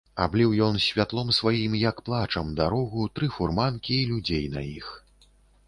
Абліў ён святлом сваім, як плачам, дарогу, тры фурманкі і людзей на іх.